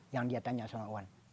yang dia tanya sama wan